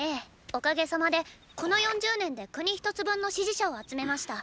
おかげさまでこの４０年で国一つ分の支持者を集めました。